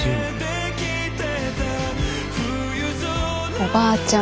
おばあちゃん